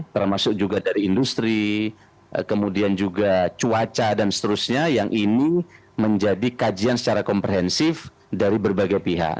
termasuk juga dari industri kemudian juga cuaca dan seterusnya yang ini menjadi kajian secara komprehensif dari berbagai pihak